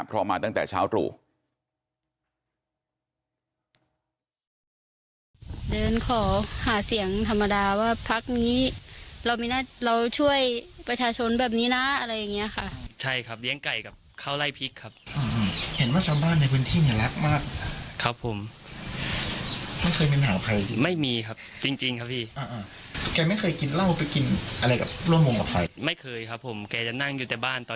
เพราะมาตั้งแต่เช้าตรู่